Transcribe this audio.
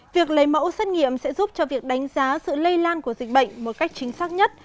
việc lấy mẫu xét nghiệm sẽ giúp cho việc đánh giá sự lây lan của dịch bệnh một cách chính xác nhất